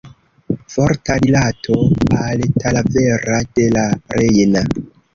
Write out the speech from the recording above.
Forta rilato al Talavera de la Reina.